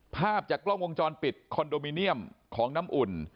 ภาพจากกล้องวงจรปิดคอนโดมิเนียมของน้ำอุ่น